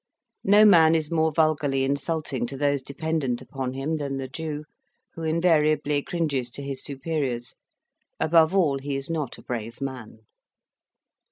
No man is more vulgarly insulting to those dependent upon him than the Jew, who invariably cringes to his superiors; above all, he is not a brave man.